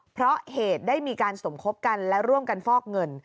เพราะเหตุได้มีการสมคบกันและร่วมกันฟอกเงิน